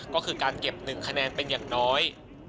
ก็คือการเก็บ๑คะแนนเป็นอย่างน้อย